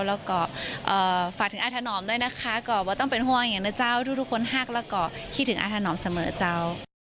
แล้วก็ฝากถึงอาทนอมด้วยนะคะก็ว่าต้องเป็นห่วงอย่างเนอะเจ้า